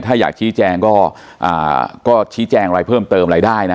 ถ้าอยากชี้แจงก็ชี้แจงอะไรเพิ่มเติมอะไรได้นะ